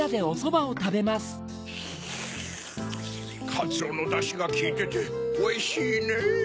かつおのダシがきいてておいしいねぇ。